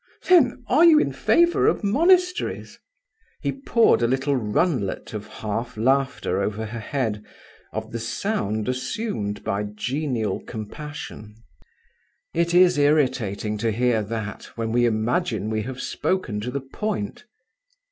"Then, are you in favour of monasteries?" He poured a little runlet of half laughter over her head, of the sound assumed by genial compassion. It is irritating to hear that when we imagine we have spoken to the point.